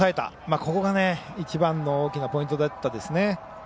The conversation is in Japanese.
ここが一番の大きなポイントだったですね。